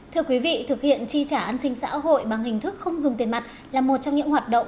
thưa quý vị thực hiện chi trả an sinh xã hội bằng hình thức không dùng tiền mặt là một trong những hoạt động